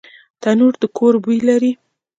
تنور د کور بوی لري